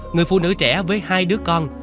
người phụ nữ trẻ với hai đứa con